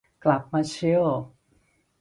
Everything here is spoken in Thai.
กลับมาชิล